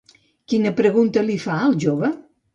Quina pregunta li fa al jove?